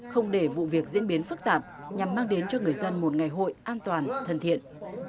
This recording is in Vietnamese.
không để vụ việc diễn biến phức tạp nhằm mang đến cho người dân một ngày hội an toàn thân thiện